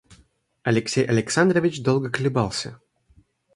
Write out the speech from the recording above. Алексей Александрович долго колебался.